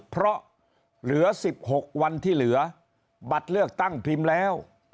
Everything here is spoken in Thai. เพราะเหลือ๑๖วันที่เหลือบัตรเลือกตั้งพิมพ์แล้ว